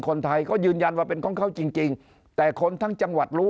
คนไทยเขายืนยันว่าเป็นของเขาจริงจริงแต่คนทั้งจังหวัดรู้